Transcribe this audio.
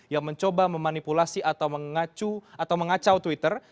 yang mencoba memanipulasi atau mengacau twitter